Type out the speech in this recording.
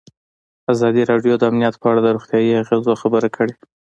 ازادي راډیو د امنیت په اړه د روغتیایي اغېزو خبره کړې.